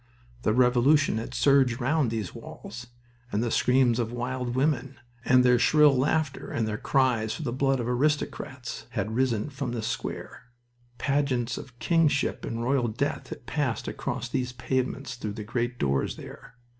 The Revolution had surged round these walls, and the screams of wild women, and their shrill laughter, and their cries for the blood of aristocrats, had risen from this square. Pageants of kingship and royal death had passed across these pavements through the great doors there.